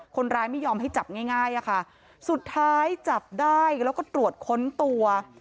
คนร้ายไม่ยอมให้จับง่ายง่ายอะค่ะสุดท้ายจับได้แล้วก็ตรวจค้นตัว